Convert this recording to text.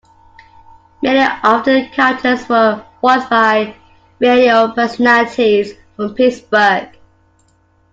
Many of the characters were voiced by radio personalities from Pittsburgh.